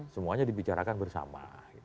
semuanya dibicarakan bersama